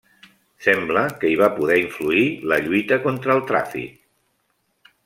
Sembla que hi va poder influir la lluita contra el tràfic.